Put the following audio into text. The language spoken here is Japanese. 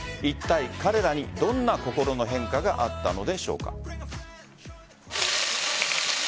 いったい彼らにどんな心の変化があったのでしょうか。